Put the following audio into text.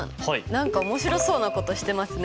何か面白そうなことしてますね。